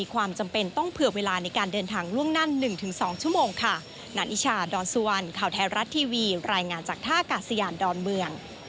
ข่าวแท้รัฐทีวีรายงานจากท่ากาศียานดอนเมือง